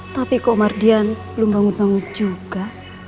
tapi kok mardian belum bangun bangun juga